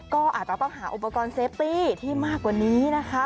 ก็อาจจะต้องหาอุปกรณ์เซฟตี้ที่มากกว่านี้นะคะ